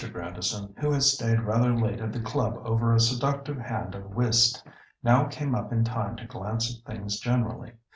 Grandison, who had stayed rather late at the club over a seductive hand of whist, now came up in time to glance at things generally.